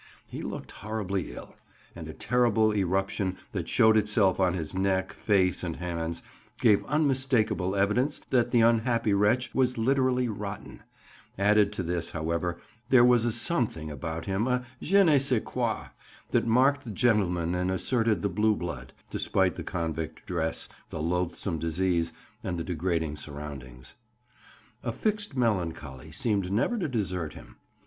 He looked horribly ill, and a terrible eruption that showed itself on his neck, face, and hands gave unmistakable evidence that the unhappy wretch was literally rotten; added to this, however, there was a something about him, a "je ne sais quoi," that marked the gentleman and asserted the blue blood, despite the convict dress, the loathsome disease, and the degrading surroundings. A fixed melancholy seemed never to desert him.